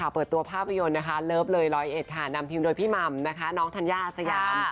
เปิดตัวภาพยนตร์เลิฟเลย๑๐๑นำทีมโดยพี่ม่ำน้องธัญญาสยาม